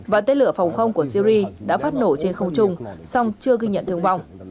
và tên lửa phòng không của syri đã phát nổ trên không chung song chưa ghi nhận thương vong